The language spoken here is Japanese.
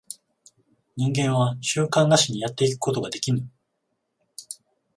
人間は習慣なしにやってゆくことができぬ。